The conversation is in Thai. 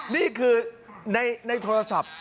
นี่คือในโทรศัพท์